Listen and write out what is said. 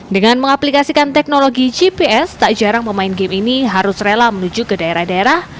dengan mengaplikasikan teknologi gps tak jarang pemain game ini harus rela menuju ke daerah daerah